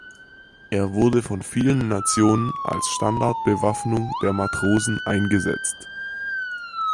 Er wurde von vielen Nationen als Standardbewaffnung der Matrosen eingesetzt.